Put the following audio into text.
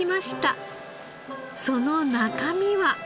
その中身は。